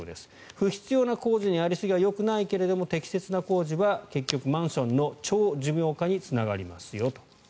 不必要な工事のやりすぎはよくないけども適切な工事は結局マンションの長寿命化につながりますよと。